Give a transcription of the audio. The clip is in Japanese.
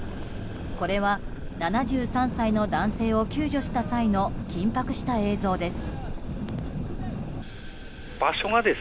これは７３歳の男性を救助した際の緊迫した映像です。